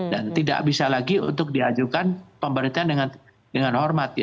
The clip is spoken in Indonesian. dan tidak bisa lagi untuk diajukan pemberitian dengan hormat